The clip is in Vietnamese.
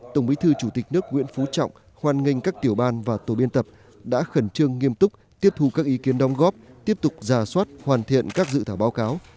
tổng bí thư chủ tịch nước nguyễn phú trọng hoan nghênh các tiểu ban và tổ biên tập đã khẩn trương nghiêm túc tiếp thu các ý kiến đóng góp tiếp tục giả soát hoàn thiện các dự thảo báo cáo